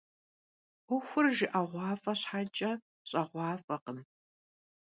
'Uexur jjı'eğuaf'e şheç'e, ş'eğuaf'ekhım.